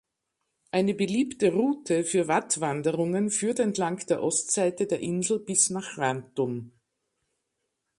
Eine beliebte Route für Wattwanderungen führt entlang der Ostseite der Insel bis nach Rantum.